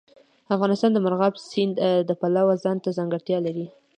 افغانستان د مورغاب سیند د پلوه ځانته ځانګړتیا لري.